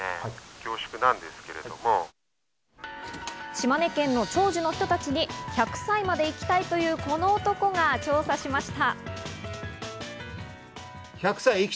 島根県の長寿の人たちに１００歳まで生きたいというこの男が調査しました。